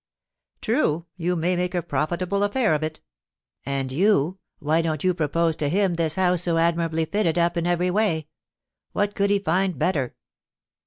"True, you may make a profitable affair of it." "And you, why don't you propose to him this house so admirably fitted up in every way? What could he find better?"